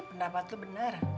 pendapat lo bener